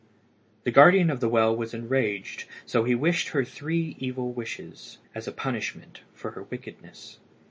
The guardian of the well was enraged, so he wished her three evil wishes, as a punishment for her wickedness.